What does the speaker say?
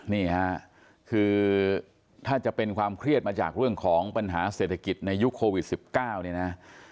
นี่ค่ะคือถ้าจะเป็นความเครียดมาจากเรื่องของปัญหาเศรษฐกิจในยุคโควิด๑๙เนี่ยนะ